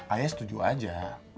ayah setuju aja